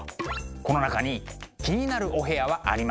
この中に気になるお部屋はありますか？